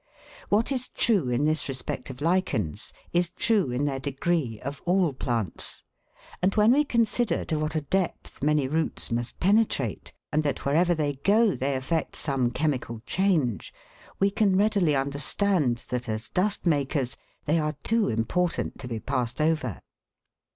What is true in this respect of lichens, is true in their degree of all plants ; and when we consider to what a depth many roots must penetrate, and that wherever they go they effect some chemical change, we can readily understand that, as dust makers, they are too important to be passed over.